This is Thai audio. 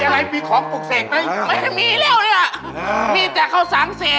มีแต่เข้าสามเศษ